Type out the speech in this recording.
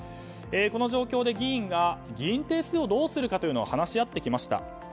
この状況で議員が議員定数をどうするかというのを話し合ってきました。